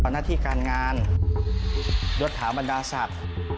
หน้าที่การงานยดถาบรรดาศักดิ์